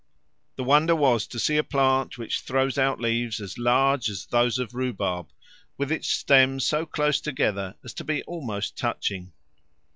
The wonder was to see a plant which throws out leaves as large as those of the rhubarb, with its stems so close together as to be almost touching.